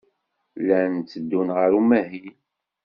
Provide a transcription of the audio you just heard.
Llan tteddun ɣer umahil.